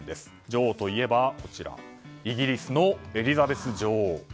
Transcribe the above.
女王といえばイギリスのエリザベス女王。